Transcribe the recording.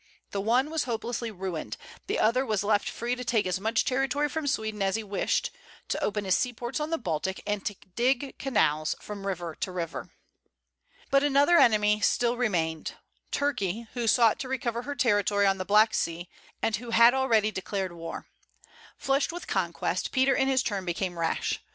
The one was hopelessly ruined; the other was left free to take as much territory from Sweden as he wished, to open his seaports on the Baltic, and to dig canals from river to river. But another enemy still remained, Turkey; who sought to recover her territory on the Black Sea, and who had already declared war. Flushed with conquest, Peter in his turn became rash.